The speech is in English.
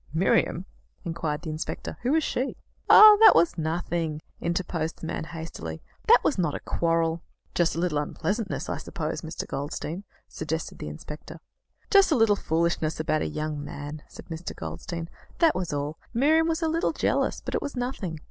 "Miriam!" inquired the inspector. "Who is she?" "That was nothing," interposed the man hastily. "That was not a quarrel." "Just a little unpleasantness, I suppose, Mr. Goldstein?" suggested the inspector. "Just a little foolishness about a young man," said Mr. Goldstein. "That was all. Miriam was a little jealous. But it was nothing."